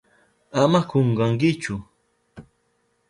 Ama kunkankichu.